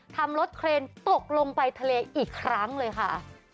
ทำรถเครนตกลงไปทะเลอีกครั้งเลยค่ะ